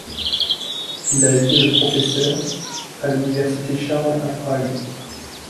Il a été le professeur à l'université Charles à Prague.